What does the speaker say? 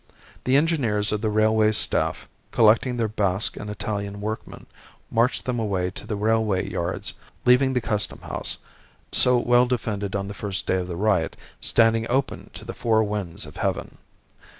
The engineers of the railway staff, collecting their Basque and Italian workmen, marched them away to the railway yards, leaving the Custom House, so well defended on the first day of the riot, standing open to the four winds of heaven.